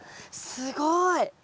すごい。